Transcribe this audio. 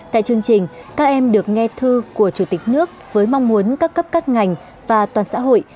tại chương trình các em được nghe thư của chủ tịch nước với mong muốn các cấp các ngành và toàn xã hội